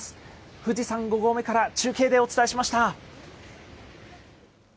富士山５合目から中継でお伝えしました。